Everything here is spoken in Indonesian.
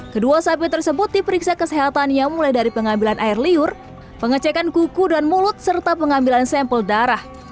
kedua sapi tersebut diperiksa kesehatannya mulai dari pengambilan air liur pengecekan kuku dan mulut serta pengambilan sampel darah